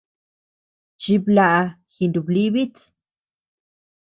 Chiblaʼa jinublibit.